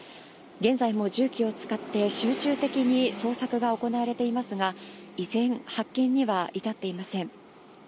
現在も重機を使って集中的に捜索が行われていますが、依然、発見には至っていません。